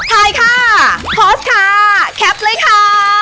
ถ่ายค่าโพสค่าแคปเลยค่า